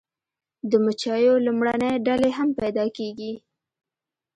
د مچیو لومړنۍ ډلې هم پیدا کیږي